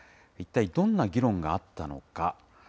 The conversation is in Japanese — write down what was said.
一体どんな議論があったのか。